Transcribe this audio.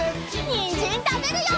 にんじんたべるよ！